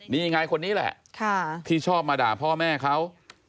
นี่ไงคนนี้แหละที่ชอบมาด่าพ่อแม่เขา